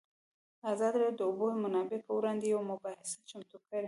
ازادي راډیو د د اوبو منابع پر وړاندې یوه مباحثه چمتو کړې.